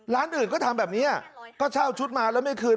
ร้านอื่นก็ทำแบบนี้ก็เช่าชุดมาแล้วไม่คืน